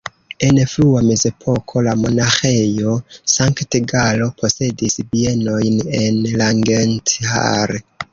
En frua mezepoko la Monaĥejo Sankt-Galo posedis bienojn en Langenthal.